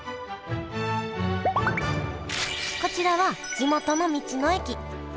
こちらは地元の道の駅。